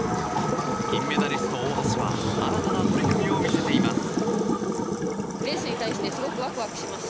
金メダリスト、大橋は新たな取り組みを見せています。